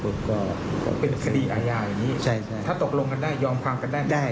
ก็เป็นคดีอาญาอย่างนี้ใช่ใช่ถ้าตกลงกันได้ยอมความกันได้ได้